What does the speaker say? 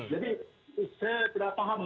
jadi saya tidak paham